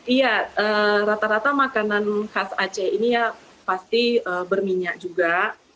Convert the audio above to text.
iya rata rata makanan khas aceh ini ya pasti berminyak juga